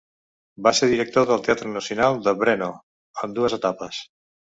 Va ser director del Teatre Nacional de Brno en dues etapes.